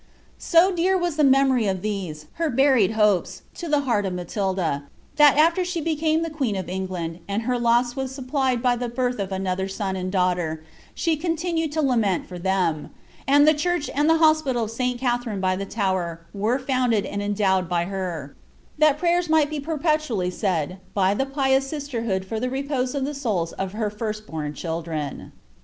So dear was the memory of these, her buried hopes, to the heart of Matilda, that afler she became queen of England, and her loss ww VO^ plied hv the birth of another son and daughter, she continued to laaxU for them; and the Church and Hospital of St. Katlierine by the Tower were founded and endowed by her, that prayers might be perpeiiisllT said by the pious sisterhood for the repose of the soula of her tirst^Kni children.